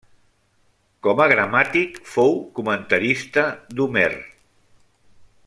Com a gramàtic fou comentarista d'Homer.